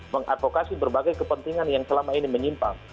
mengadvokasi berbagai kepentingan yang selama ini menyimpang